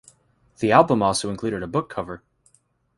The album also included a bookcover.